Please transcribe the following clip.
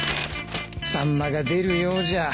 サンマが出るようじゃ。